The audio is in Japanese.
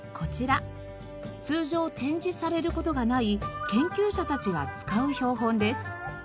通常展示される事がない研究者たちが使う標本です。